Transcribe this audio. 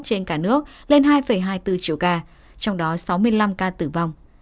trên cả nước lên hai hai mươi bốn triệu ca trong đó sáu mươi năm ca tử vong